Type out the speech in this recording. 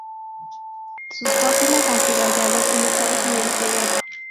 Sus fósiles han sido hallados en Estados Unidos y Europa.